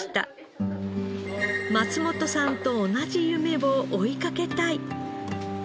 松本さんと同じ夢を追いかけたい。